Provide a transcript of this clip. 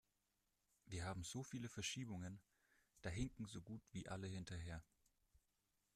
Wir haben so viele Verschiebungen, da hinken so gut wie alle hinterher.